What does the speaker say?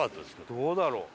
どうだろう。